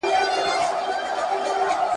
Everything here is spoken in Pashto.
آیا د واهبې او موهوبې شپې سره پرلپسې وې؟